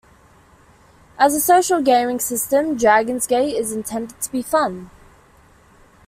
As a social gaming system, Dragon's Gate is intended to be fun.